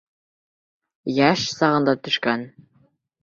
Йәш сағында төшкән.